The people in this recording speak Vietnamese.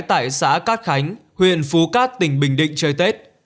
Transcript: tại xã cát khánh huyện phú cát tỉnh bình định chơi tết